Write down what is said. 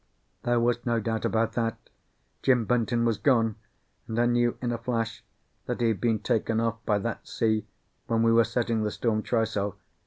There was no doubt about that. Jim Benton was gone; and I knew in a flash that he had been taken off by that sea when we were setting the storm trysail.